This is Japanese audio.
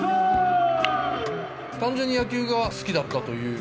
単純に野球が好きだったという。